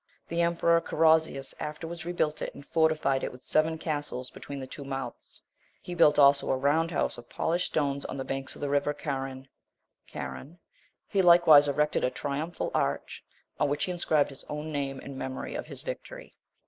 The emperor Carausius afterwards rebuilt it, and fortified it with seven castles between the two mouths: he built also a round house of polished stones on the banks of the river Carun (Carron): he likewise erected a triumphal arch, on which he inscribed his own name in memory of his victory."